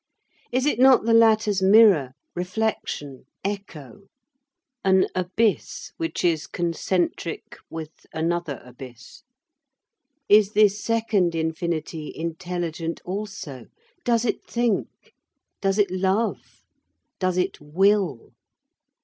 Is it not the latter's mirror, reflection, echo, an abyss which is concentric with another abyss? Is this second infinity intelligent also? Does it think? Does it love? Does it will?